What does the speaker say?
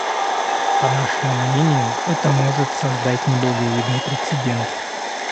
По нашему мнению, это может создать неблаговидный прецедент.